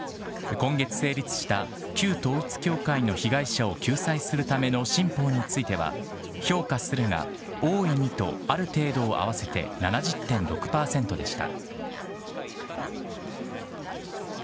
今月成立した旧統一教会の被害者を救済するための新法については、評価するが、大いにとある程度を合わせて、７０．６％でした。